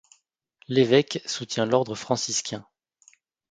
L'évêque soutient l'ordre franciscain.